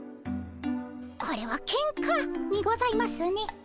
これはけんかにございますね。